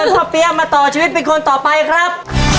พ่อเปี๊ยะมาต่อชีวิตเป็นคนต่อไปครับ